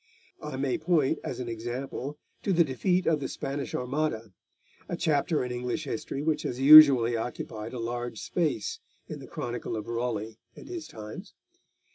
I may point as an example to the defeat of the Spanish Armada, a chapter in English history which has usually occupied a large space in the chronicle of Raleigh and his times.